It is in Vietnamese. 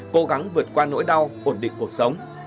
cố gắng vượt qua nỗi đau ổn định cuộc sống